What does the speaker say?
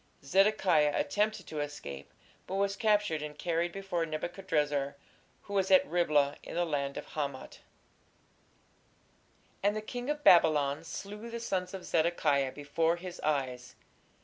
Zedekiah attempted to escape, but was captured and carried before Nebuchadrezzar, who was at Riblah, in the land of Hamath. And the king of Babylon slew the sons of Zedekiah before his eyes....